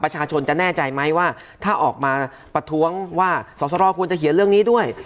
ประชาชนจะแน่ใจไหมว่าถ้าออกมาประท้วงว่าสอสรควรจะเขียนเรื่องนี้ด้วย